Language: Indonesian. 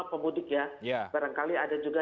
pemudik ya barangkali ada juga